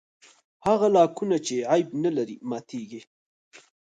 هغه لاکونه چې عیب نه لري ماتېږي.